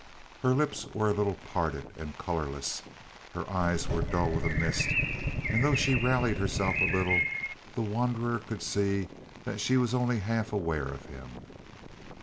Her lips were a little parted, and colorless; her eyes were dull with a mist; and though she rallied herself a little, the wanderer could see that she was only half aware of him.